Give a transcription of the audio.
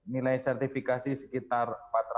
nilai sertifikasi sekitar